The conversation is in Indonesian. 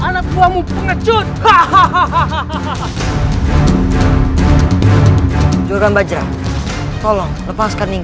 lepaskan kolom lepaskan